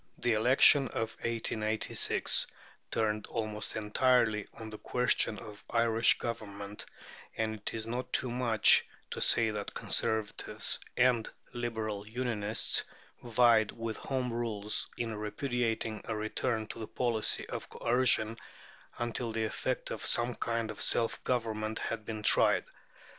The election of 1886 turned almost entirely on the question of Irish government, and it is not too much to say that Conservatives and Liberal Unionists vied with Home Rulers in repudiating a return to the policy of coercion until the effect of some kind of self government had been tried.